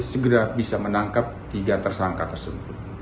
segera bisa menangkap tiga tersangka tersebut